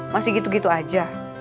masih gitu gitu aja